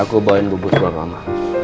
aku bawain bubur juga ke mama